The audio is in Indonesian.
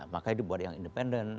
maka dibuat yang independen